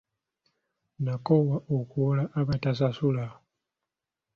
Nakoowa okuwola abatasasula.